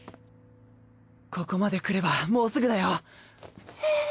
ここまでくればもうすぐだよ。